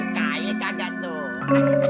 kaya ganda tuh